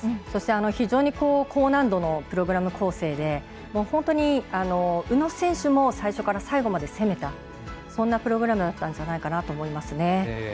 そして、非常に高難度のプログラム構成で本当に宇野選手も最初から最後まで攻めた、そんなプログラムだったんじゃないかなと思いますね。